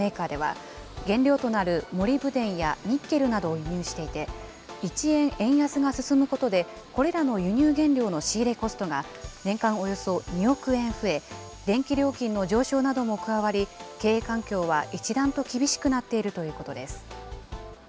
自動車向けの鉄鋼製品を製造する愛知県のメーカーでは、原料となるモリブデンやニッケルなどを輸入していて、１円円安が進むことで、これらの輸入原料の仕入れコストが年間およそ２億円増え、電気料金の上昇なども加わり、経営環境は一段と厳しくなっているということです。